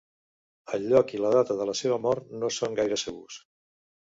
El lloc i la data de la seva mort no són gaire segurs.